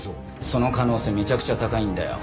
その可能性めちゃくちゃ高いんだよ。